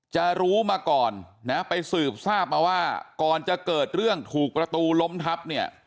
จะรู้มาก่อนนะไปสืบทราบมาว่าก่อนจะเกิดเรื่องถูกประตูล้มทับเนี่ย